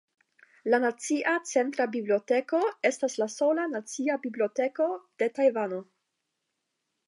La Nacia Centra Biblioteko estas la sola nacia biblioteko de Tajvano.